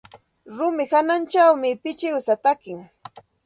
Rumi hawanćhawmi pichiwsa taki.